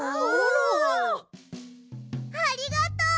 ありがとう。